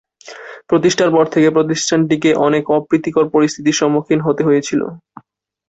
প্রতিষ্ঠার পর থেকে প্রতিষ্ঠানটিকে অনেক অপ্রীতিকর পরিস্থিতির সম্মুখীন হতে হয়েছিল।